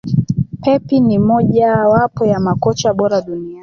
Pep ni moja wapo ya makocha bora duniani